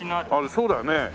そうだよね。